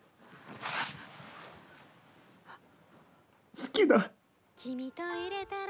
好きだ。